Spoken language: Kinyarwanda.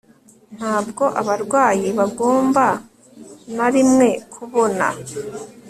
Ntabwo abarwayi bagomba na rimwe kubona